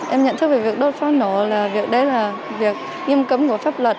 em nhận thức về việc đốt pháo nổ là việc đấy là việc nghiêm cấm của pháp luật